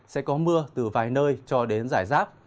sẽ có mưa từ vài nơi cho đến giải rác